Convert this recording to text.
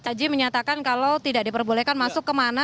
caji menyatakan kalau tidak diperbolehkan masuk ke mana